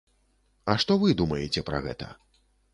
А што вы думаеце пра гэта?